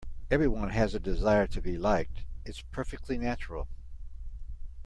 Everyone has a desire to be liked, it's perfectly natural.